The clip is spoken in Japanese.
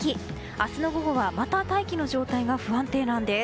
明日の午後はまた大気の状態が不安定なんです。